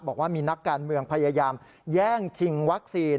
บอกว่ามีนักการเมืองพยายามแย่งชิงวัคซีน